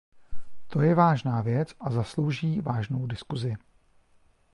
To je vážná věc a zaslouží vážnou diskusi.